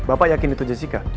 bapak yakin itu jessica